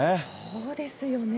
そうですよね。